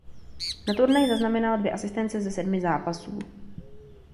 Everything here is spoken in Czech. Na turnaji zaznamenal dvě asistence ze sedmi zápasů.